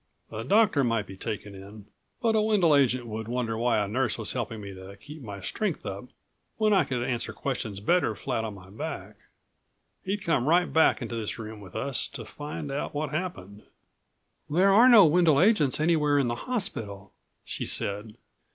A doctor might be taken in, but a Wendel agent would wonder why a nurse was helping me to keep my strength up when I could answer questions better flat on my back. He'd come right back into this room with us, to find out what happened." "There are no Wendel agents anywhere in the hospital," she said.